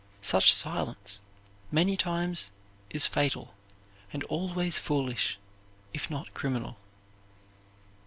Such silence, many times, is fatal, and always foolish, if not criminal.